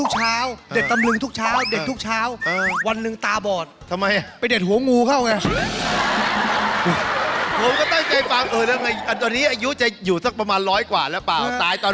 สวัสดีไหมล้อปาล่ะเปล่าตายตอน๖๐